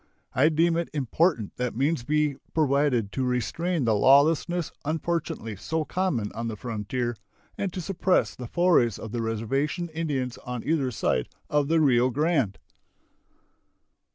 I deem it important that means be provided to restrain the lawlessness unfortunately so common on the frontier and to suppress the forays of the reservation Indians on either side of the Rio Grande.